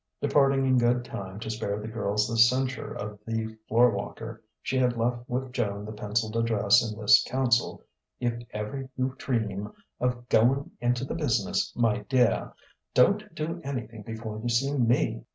Departing in good time to spare the girls the censure of the floor walker, she had left with Joan the pencilled address and this counsel: "If ever you dream of goin' into the business, my deah, don't do anythin' before you see me.